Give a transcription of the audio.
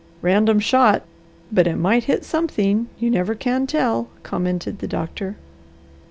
"Random shot, but it might hit something, you never can tell," commented the doctor.